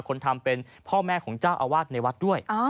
คนทำเป็นพ่อแม่ของเจ้าอาวาสในวัดด้วย